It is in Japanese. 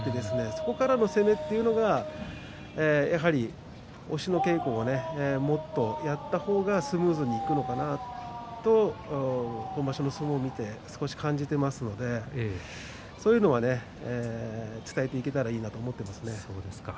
そこからの攻めというのがやはり、押しの稽古をもっとやった方がスムーズにいくのかなと今場所の相撲を見て少し感じていますのでそういうのは伝えていけたらいいなと思っていますね。